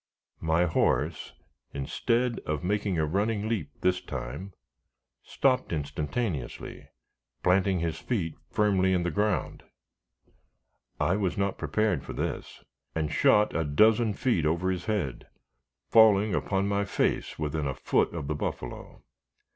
My horse, instead of making a running leap this time, stopped instantaneously, planting his feet firmly in the ground. I was not prepared for this, and shot a dozen feet over his head, falling upon my face within a foot of the buffalo.